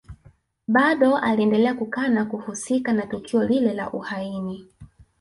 Bado aliendelea kukana kuhusika na tukio lile la uhaini